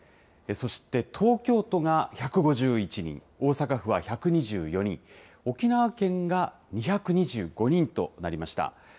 そして、東京都が１５１人、大阪府は１２４人、沖縄県が２２５人となりました。